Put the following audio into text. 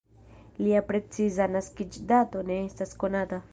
Lia preciza naskiĝdato ne estas konata.